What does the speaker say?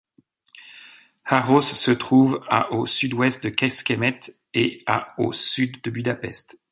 Hajós se trouve à au sud-ouest de Kecskemét et à au sud de Budapest.